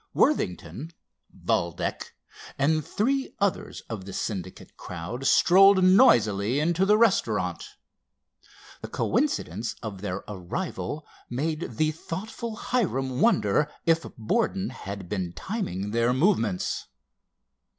Worthington, Valdec and three others of the Syndicate crowd strolled noisily into the restaurant. The coincidence of their arrival made the thoughtful Hiram wonder if Borden had been timing their movements.